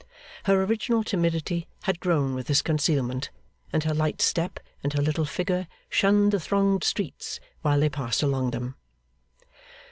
Her original timidity had grown with this concealment, and her light step and her little figure shunned the thronged streets while they passed along them.